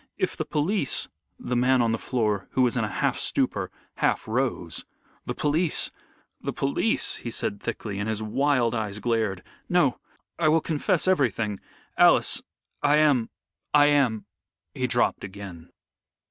If the police " The man on the floor, who was in a half stupor, half rose. "The police the police!" he said thickly, and his wild eyes glared. "No. I will confess everything. Alice, I am I am " He dropped again.